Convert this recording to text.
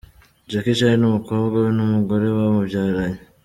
Jackie Chan n'umukobwa we n'umugore bamubyaranye.